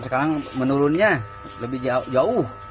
sekarang menurunnya lebih jauh